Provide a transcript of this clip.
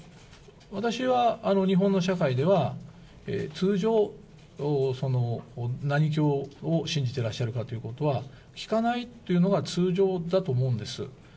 私は日本の社会では、通常、何教を信じてらっしゃるかということは、聞かないというのが通常だと思うんです。